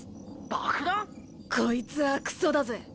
こいつはクソだぜ。